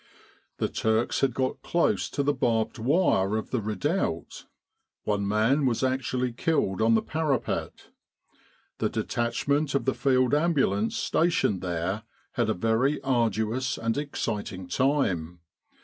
The Turks had got close to the barbed wire of the redoubt : one man was actually killed on the parapet. The detachment of the Field Ambulance stationed there had a very arduous and exciting time.